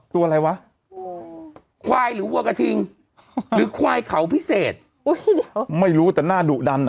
ตัวอะไรวะควายหรือวัวกระทิงหรือควายเข่าพิเศษไม่รู้แต่หน้าดุดัน